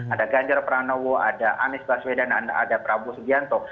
ada ganjar pranowo ada anies baswedan ada prabowo subianto